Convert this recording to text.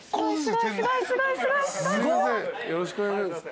よろしくお願いします。